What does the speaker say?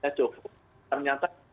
besar pesudara jawa barat